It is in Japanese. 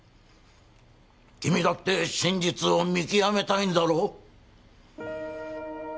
君だって真実を見極めたいんだろう？